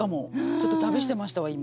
ちょっと旅してましたわ今。